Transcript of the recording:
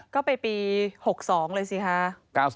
ก็ไปปี๖๒เลยสิคะ